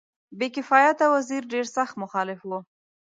بې کفایته وزیر ډېر سخت مخالف وو.